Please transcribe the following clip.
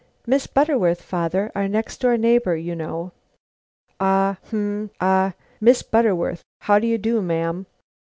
"Miss Butterworth, father! Our next door neighbor, you know." "Ah! hum! ha! Miss Butterworth. How do you do, ma'am?